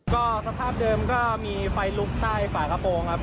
ก็สภาพเดิมก็มีไฟลุกใต้ฝากระโปรงครับ